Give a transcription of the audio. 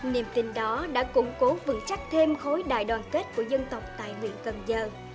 niềm tin đó đã củng cố vững chắc thêm khối đại đoàn kết của dân tộc tại huyện cần giờ